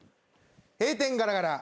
閉店ガラガラ。